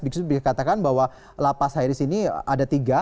bisa dikatakan bahwa lapas high risk ini ada tiga